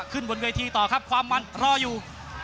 เมื่อทีต่อครับความวันรออยู่